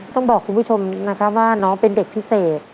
ต้องบอกคุณผู้ชมนะครับว่าน้องเป็นเด็กพิเศษ